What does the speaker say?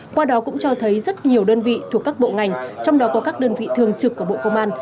qua đó cũng cho thấy rất nhiều đơn vị thuộc các bộ ngành trong đó có các đơn vị thường trực của bộ công an